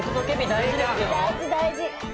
大事大事。